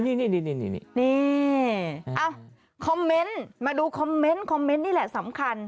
นี่คอมเมนต์มาดูคอมเมนต์คอมเมนต์นี่แหละสำคัญ